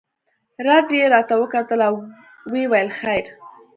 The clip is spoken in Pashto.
رډ يې راته وکتل ويې ويل خير.